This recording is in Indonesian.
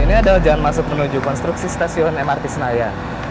ini adalah jalan masuk menuju konstruksi stasiun mrt senayan